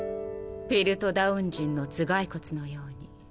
ピルトダウン人の頭蓋骨のように。